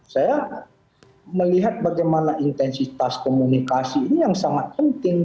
saya melihat bagaimana intensitas komunikasi ini yang sangat penting